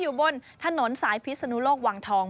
อยู่บนถนนสายพิศนุโลกวังทอง